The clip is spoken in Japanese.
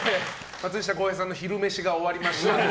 松下洸平さんの昼飯が終わりました。